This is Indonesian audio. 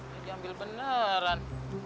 jadi ambil beneran